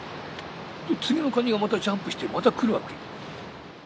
次のカニがまたジャンプしてまた来るわけ。